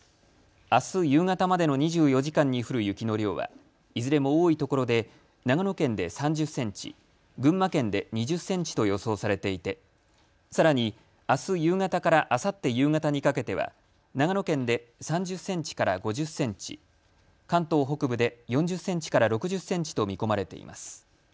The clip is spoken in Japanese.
あす夕方までの２４時間に降る雪の量はいずれも多いところで長野県で３０センチ、群馬県で２０センチと予想されていてさらに、あす夕方からあさって夕方にかけては長野県で３０センチから５０センチ、関東北部で４０センチから６０センチと見込まれています。